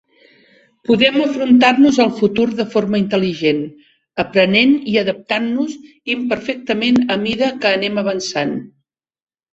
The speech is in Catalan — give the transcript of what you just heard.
Podem enfrontar-nos al futur de forma intel·ligent, aprenent i adaptant-nos imperfectament a mida que anem avançant